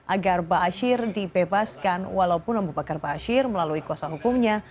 agar ba'asyir dibebaskan walaupun abu bakar ba'asyir melalui kuasa hukumnya